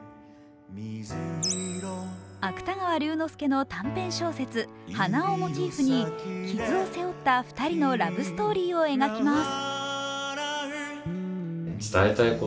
芥川龍之介の短編小説「鼻」をモチーフに傷を背負った２人のラブストーリーを描きます。